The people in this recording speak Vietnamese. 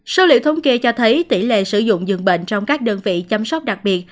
số liệu thống kê cho thấy tỷ lệ sử dụng dường bệnh trong các đơn vị chăm sóc đặc biệt